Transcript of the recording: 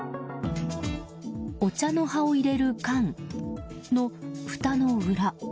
お茶の葉を入れる缶のふたの裏。